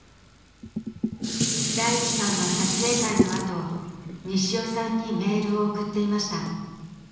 大地さんは撮影会のあと西尾さんにメールを送っていました